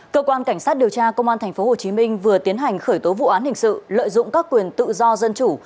cơ quan cảnh sát điều tra công an tp hcm vừa tiến hành khởi tố vụ án hình sự lợi dụng các quyền tự do dân chủ